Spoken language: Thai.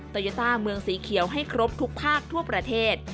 โยต้าเมืองสีเขียวให้ครบทุกภาคทั่วประเทศ